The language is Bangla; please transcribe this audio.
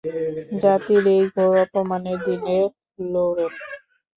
জাতির এই ঘোর অপমানের দিনে, লোরেন।